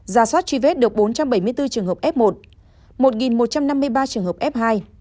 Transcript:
ra soát truy vết được bốn trăm bảy mươi bốn trường hợp f một một trăm năm mươi ba trường hợp f hai